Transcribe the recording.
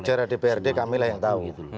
sejarah dprd kami lah yang tahu